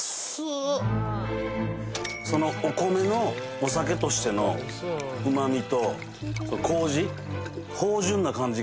お米のお酒としてのうま味とこうじ？